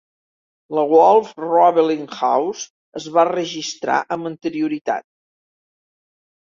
La Wolf-Ruebeling House es va registrar amb anterioritat.